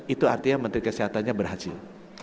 itu artinya menteri kesehatannya berhasil